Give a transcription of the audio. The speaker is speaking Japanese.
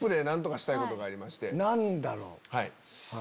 何だろう？